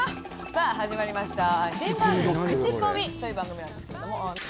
さあ始まりました新番組「クチコミ」という番組なんですけど。